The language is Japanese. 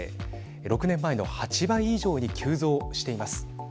６年前の８倍以上に急増しています。